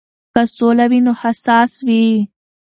که سوله وي نو حساس وي.